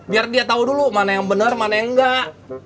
biar dia tahu dulu mana yang benar mana yang enggak